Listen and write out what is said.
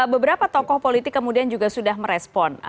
beberapa tokoh politik kemudian juga sudah merespon